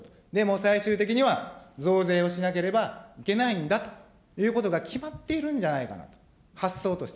最終的には、増税をしなければいけないんだということが、決まっているんじゃないかなと、発想として。